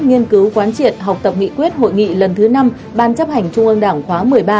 nghiên cứu quán triệt học tập nghị quyết hội nghị lần thứ năm ban chấp hành trung ương đảng khóa một mươi ba